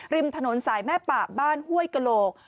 ริมถนนสายแม่ปะบ้านห้วยกระโหลก